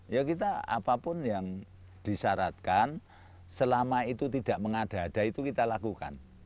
ya kita apapun yang disyaratkan selama itu tidak mengada ada itu kita lakukan